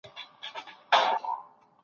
چېري که خوړلی د غلیم پر کور نمګ وي {یار}